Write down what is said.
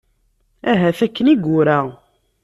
Ahat akken i yura.